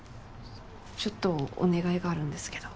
ちょっとお願いがあるんですけど。